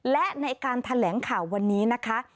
และในการแถลงข่าววันนี้นะคะ